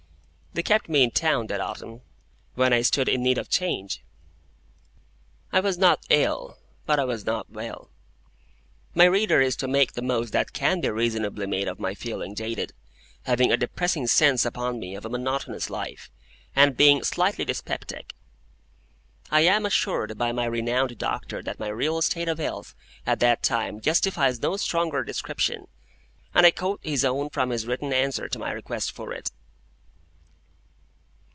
They kept me in town that autumn, when I stood in need of change. I was not ill, but I was not well. My reader is to make the most that can be reasonably made of my feeling jaded, having a depressing sense upon me of a monotonous life, and being "slightly dyspeptic." I am assured by my renowned doctor that my real state of health at that time justifies no stronger description, and I quote his own from his written answer to my request for it.